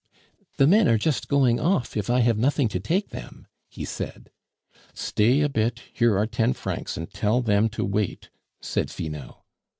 "The men are just going off, if I have nothing to take them," he said. "Stay a bit, here are ten francs, and tell them to wait," said Finot.